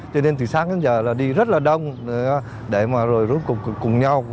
cho nên từ sáng đến giờ là đi rất là đông để mà rồi rút cục cùng nhau